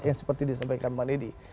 yang seperti disampaikan bang nedi